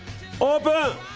オープン！